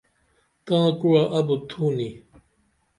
تاں کوعہ ابُت تھونی؟